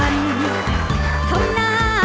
ขอโชคดีค่ะ